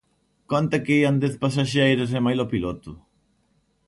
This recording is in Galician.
Conta que ían dez pasaxeiros e mailo piloto.